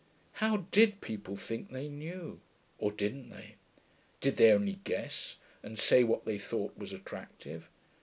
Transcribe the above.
How did people think they knew? Or didn't they? Did they only guess, and say what they thought was attractive?